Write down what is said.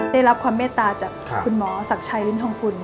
ได้รับความเมตตาจากคุณหมอศักดิ์ชัยรินทองกุล